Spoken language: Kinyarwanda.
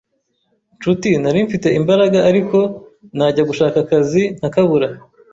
Nshuti, nari mfite imbaraga ariko najya gushaka akazi nkakaburira